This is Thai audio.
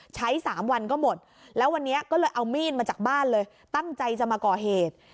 ใช้๓วันก็หมดแล้ววันนี้ก็เลยเอามีดมาจากบ้านเลยตั้งใจจะมาก่อเหตุ